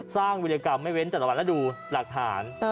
สร้างวิรากรรมไม่เว้นแต่ละวันแล้วดูหลักฐาน